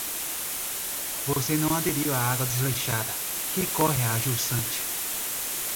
Você não aderiu à água desleixada, que corre a jusante.